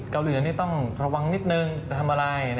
เกาหลีเหนือนี่ต้องระวังนิดนึงจะทำอะไรนะครับ